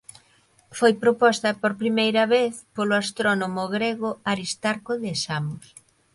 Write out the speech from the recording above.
Foi proposta por primeira vez polo astrónomo grego Aristarco de Samos.